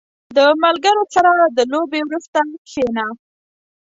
• د ملګرو سره د لوبې وروسته کښېنه.